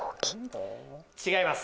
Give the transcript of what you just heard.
違います！